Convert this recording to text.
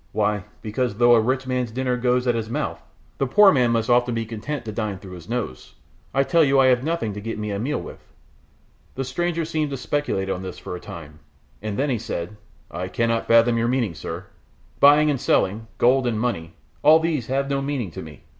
Why, because though the rich man's dinner goes in at his mouth, the poor man must often be content to dine through his nose. I tell you I have nothing to get me a meal with." The stranger seemed to speculate on this for a time, and then he said, "I cannot fathom your meaning, sir. Buying and selling, gold and money, all these have no meaning to me.